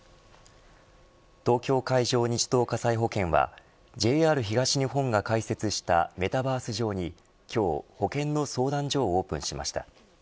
東京海上日動火災保険はＪＲ東日本が開設したメタバース上に、今日保険の相談所をオープンしました。